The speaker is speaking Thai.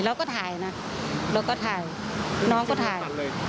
เราก็ถ่ายนะเราก็ถ่ายน้องก็ถ่าย